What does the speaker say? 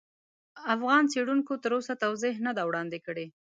افغان څېړونکو تر اوسه توضیح نه دي وړاندې کړي.